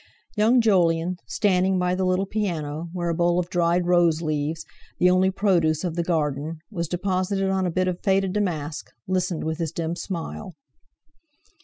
Young Jolyon, standing by the little piano, where a bowl of dried rose leaves, the only produce of the garden, was deposited on a bit of faded damask, listened with his dim smile.